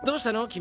君。